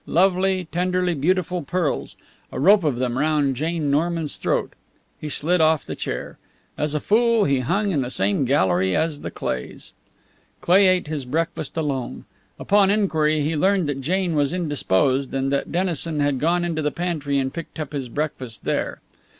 Lovely, tenderly beautiful pearls a rope of them round Jane Norman's throat. He slid off the chair. As a fool, he hung in the same gallery as the Cleighs. Cleigh ate his breakfast alone. Upon inquiry he learned that Jane was indisposed and that Dennison had gone into the pantry and picked up his breakfast there.